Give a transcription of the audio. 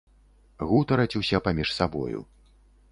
Гутараць усе паміж сабою.